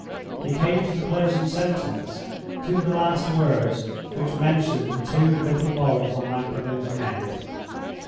He came to the closing sentence—to the last words which mentioned the two little moles on Magdalen's neck.